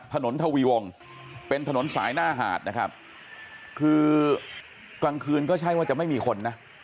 ทวีวงเป็นถนนสายหน้าหาดนะครับคือกลางคืนก็ใช่ว่าจะไม่มีคนนะ